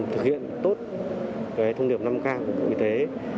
thực hiện tốt thông điệp năm k của bộ y tế